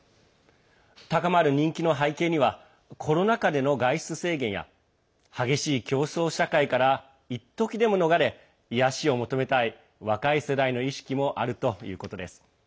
高まる人気の背景にはコロナ禍での外出制限や激しい競争社会から一時でも逃れ癒やしを求めたい若い世代の意識もあるということです。